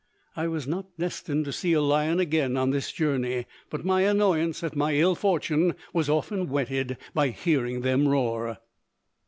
I was not destined to see a lion again on this journey, but my annoyance at my ill fortune was often whetted by hearing them roar.